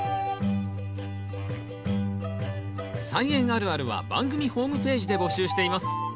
「菜園あるある」は番組ホームページで募集しています。